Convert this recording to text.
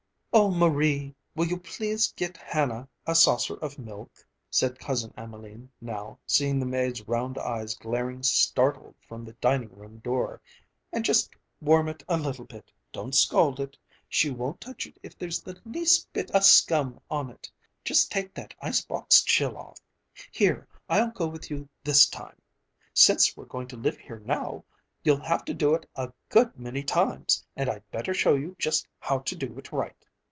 "Oh, Marie, will you please get Hanna a saucer of milk?" said Cousin Emelene now, seeing the maid's round eyes glaring startled from the dining room door. "And just warm it a little bit, don't scald it. She won't touch it if there's the least bit of a scum on it. Just take that ice box chill off. Here, I'll go with you this time. Since we're going to live here now, you'll have to do it a good many times, and I'd better show you just how to do it right."